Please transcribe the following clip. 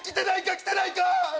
来てないか？